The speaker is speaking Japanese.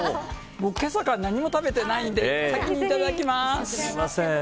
朝から何も食べていないのでいただきます。